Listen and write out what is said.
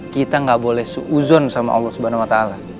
kita gak boleh seuzon sama allah swt